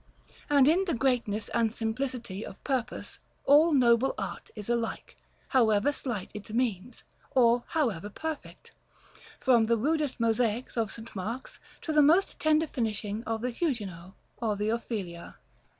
And in this greatness and simplicity of purpose all noble art is alike, however slight its means, or however perfect, from the rudest mosaics of St. Mark's to the most tender finishing of the "Huguenot" or the "Ophelia."